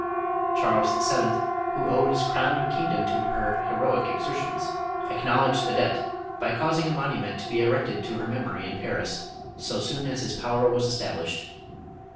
Charles VII., who owed his crown and kingdom to hex heroic exertions, acknowledged the debt by causing 180 JOAN OP ARC. a monument to be erected to her memory in Paris so soon as his power was established.